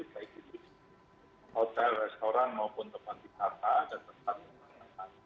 baik itu hotel restoran maupun tempat di karta dan tempat di kota